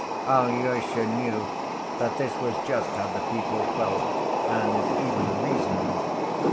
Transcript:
Alyosha knew that this was just how the people felt and even reasoned.